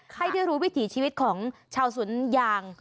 ให้ได้รู้วิถีชีวิตของชาวสวนยาง